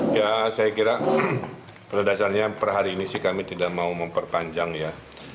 ya saya kira pada dasarnya per hari ini sih kami tidak mau memperpanjang ya